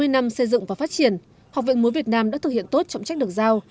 sáu mươi năm xây dựng và phát triển học viện múa việt nam đã thực hiện tốt trọng trách được giao